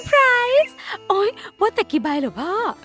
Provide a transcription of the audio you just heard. ไรซโอ๊ยว่าแต่กี่ใบเหรอพ่อ